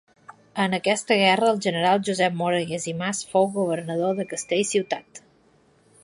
En aquesta guerra el general Josep Moragues i Mas fou governador de Castellciutat.